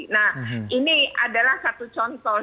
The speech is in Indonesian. nah ini adalah satu contoh